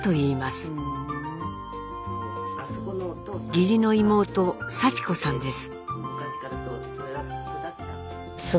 義理の妹幸子さんです。